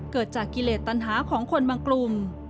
เกิดจากกิเลสตัญหาของคนบางกลุ่ม